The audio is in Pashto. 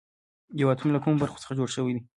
یو اتوم له کومو برخو څخه جوړ شوی دی